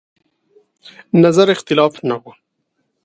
نظر اختلاف نه و.